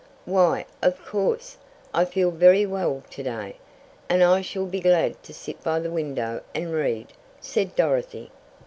"Why, of course. I feel very well to day, and I shall be glad to sit by the window and read," said Dorothy.